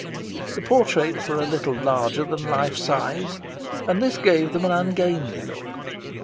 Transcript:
The portraits were a little larger than life size, and this gave them an ungainly look.